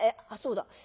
あっそうだ。